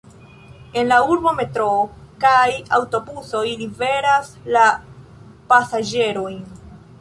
En la urbo metroo kaj aŭtobusoj liveras la pasaĝerojn.